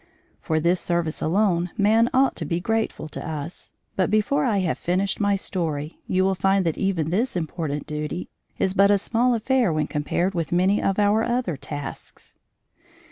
For this service alone man ought to be grateful to us, but before I have finished my story, you will find that even this important duty is but a small affair when compared with many of our other tasks.